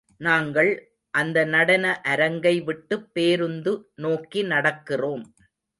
நாங்கள் அந்த நடன அரங்கை விட்டுப் பேருந்து நோக்கி நடக்கிறோம்.